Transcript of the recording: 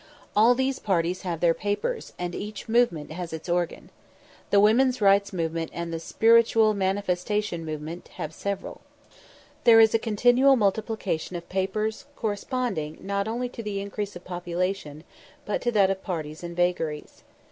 All these parties have their papers, and each "movement" has its organ. The "Woman's Right Movement" and the "Spiritual Manifestation Movement" have several. There is a continual multiplication of papers, corresponding, not only to the increase of population, but to that of parties and vagaries.